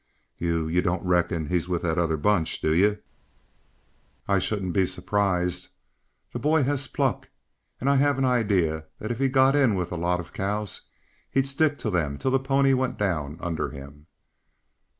"You you don't reckon he's with that other bunch, do you?" "I shouldn't be surprised. The boy has pluck and I have an idea that if he got in with a lot of cows he'd stick to them till the pony went down under him."